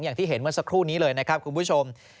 อย่างที่เห็นเมื่อสักครู่นี้เลยนะครับคุณผู้ชม